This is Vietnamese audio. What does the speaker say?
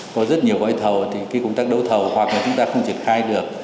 có rất nhiều gọi thầu thì cái công tác đấu thầu hoặc là chúng ta không triệt khai được